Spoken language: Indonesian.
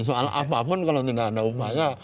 soal apapun kalau tidak ada upaya